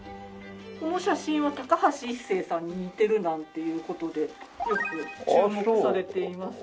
この写真は高橋一生さんに似てるなんていう事でよく注目されています。